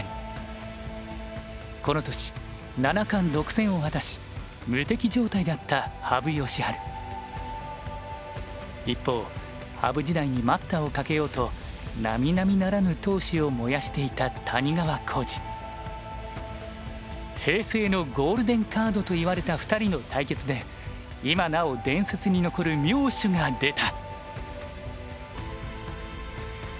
この年七冠独占を果たし無敵状態だった一方羽生時代に待ったをかけようとなみなみならぬ闘志を燃やしていた平成のゴールデンカードといわれた２人の対決で今なお伝説に残る妙手が出た。